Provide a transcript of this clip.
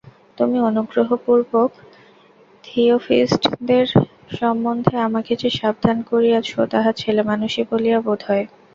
তুমি অনুগ্রহপূর্বক থিওজফিষ্টদের সম্বন্ধে আমাকে যে সাবধান করিয়াছ, তাহা ছেলেমানুষি বলিয়া বোধ হয়।